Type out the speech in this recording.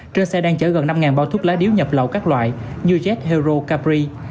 trên xe đang chở gần năm bao thuốc lá điếu nhập lậu các loại như jet hero carbri